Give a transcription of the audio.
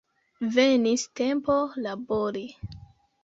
Venis tempo labori.